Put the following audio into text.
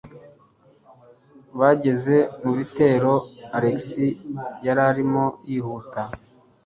Bageze mu bitaro, Alex yarimo yihuta.